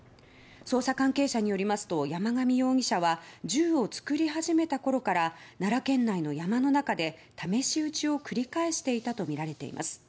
捜査関係者によりますと山上容疑者は銃を作り始めたころから奈良県内の山の中で試し撃ちを繰り返していたとみられています。